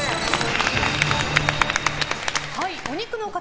お肉の塊